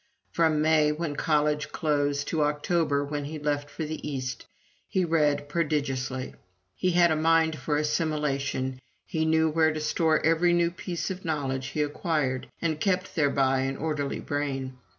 From May, when college closed, to October, when he left for the East, he read prodigiously. He had a mind for assimilation he knew where to store every new piece of knowledge he acquired, and kept thereby an orderly brain.